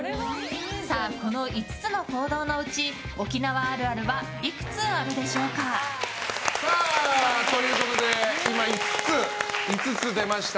さあ、この５つの行動のうち沖縄あるあるはいくつあるでしょうか？ということで５つ出ました。